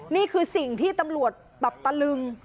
นี่คือสิ่งที่ตำรวจแบบตะลึง